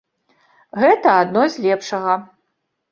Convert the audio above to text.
Гэта адно з лепшага.